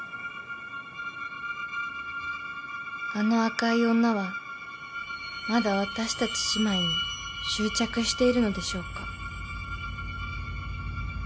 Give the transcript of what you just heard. ［あの赤い女はまだ私たち姉妹に執着しているのでしょうか］